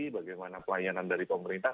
bagaimana pelayanan dari pemerintah